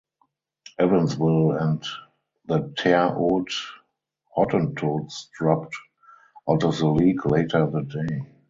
Evansville and the Terre Haute Hottentots dropped out of the league later that day.